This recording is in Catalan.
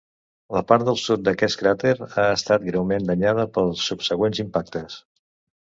La part del sud d'aquest cràter ha estat greument danyada pels subsegüents impactes.